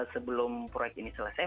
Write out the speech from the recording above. sebelum proyek ini selesai